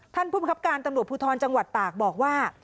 ท่านผู้บังคับการตำรวจภูทรจังหวัดตากบอกว่า